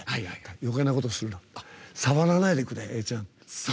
「よけいなことするな触らないでくれ、永ちゃん」。